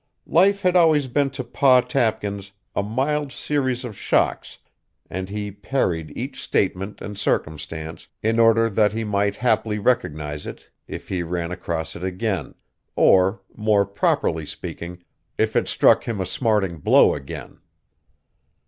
Life had always been to Pa Tapkins a mild series of shocks, and he parried each statement and circumstance in order that he might haply recognize it if he ran across it again, or, more properly speaking, if it struck him a smarting blow again.